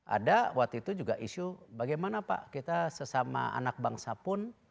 ada waktu itu juga isu bagaimana pak kita sesama anak bangsa pun